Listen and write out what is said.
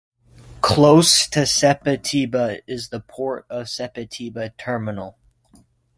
Close to Sepetiba is the port of Sepetiba Terminal.